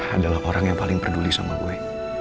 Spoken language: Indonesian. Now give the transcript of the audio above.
adalah orang yang paling peduli sama gue